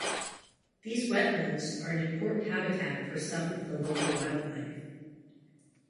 These wetlands are an important habitat for some of the local wildlife.